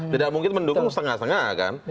tidak mungkin mendukung setengah setengah kan